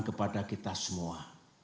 kepada kita semua